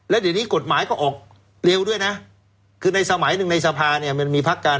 แล้วเดี๋ยวนี้กฎหมายก็ออกเร็วด้วยนะคือในสมัยหนึ่งในสภาเนี่ยมันมีพักการ